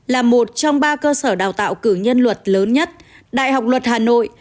là một trong ba cơ sở đào tạo cử nhân luật lớn nhất đại học luật hà nội